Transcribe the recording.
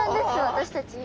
私たち今。